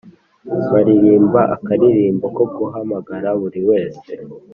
baririmba akaririmbo ko guhamagarira buri wese